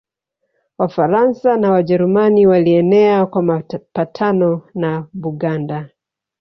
Wafaransa na Wajerumani Walienea kwa mapatano na Buganda